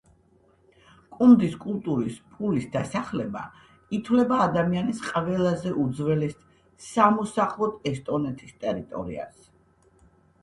კუნდის კულტურის პულის დასახლება ითვლება ადამიანის ყველაზე უძველეს სამოსახლოდ ესტონეთის ტერიტორიაზე.